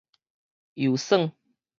遊耍